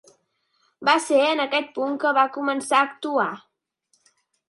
Va ser en aquest punt que va començar a actuar.